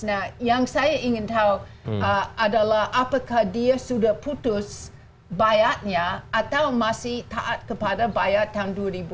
nah yang saya ingin tahu adalah apakah dia sudah putus bayarnya atau masih taat kepada bayar tahun dua ribu lima belas